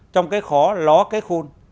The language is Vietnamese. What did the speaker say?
trong cái khó ló cái khôn